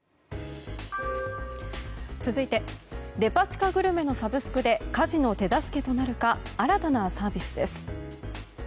続いてデパ地下グルメのサブスクで家事の手助けとなるか新たなサービスです。